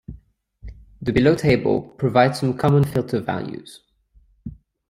The below table provides some common filter values.